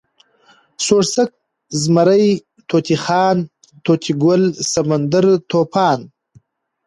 سوړسک، زمری، طوطی خان، طوطي ګل، سمندر، طوفان